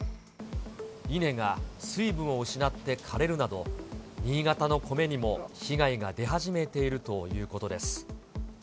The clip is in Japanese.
稲が水分を失って枯れるなど、新潟の米にも被害が出始めているということです。